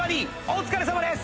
お疲れさまです